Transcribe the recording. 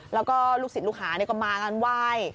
แล้วก็ลูกศิษย์ลูกหาก็มากันไหว้